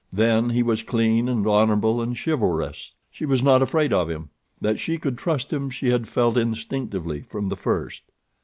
Then he was clean and honorable and chivalrous. She was not afraid of him. That she could trust him she had felt instinctively from the first.